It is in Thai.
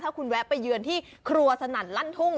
ถ้าคุณแวะไปเยือนที่ครัวสนั่นลั่นทุ่ง